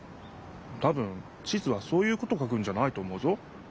たぶん地図はそういうことを書くんじゃないと思うぞ。